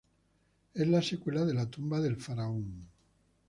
Es la secuela de la Tumba del Faraón.